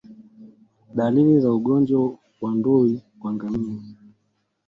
Dalili za ugonjwa wan dui kwa ngamia